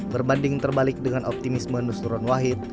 berbanding terbalik dengan optimisme nusron wahid